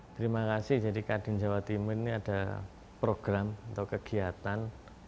terima kasih jadi kadin jawa timur ini ada program atau kegiatan